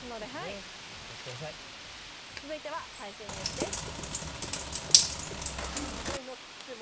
続いては最新ニュースです。